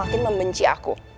aku yakin membenci aku